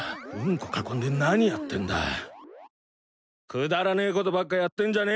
くだらねえことばっかやってんじゃねえ。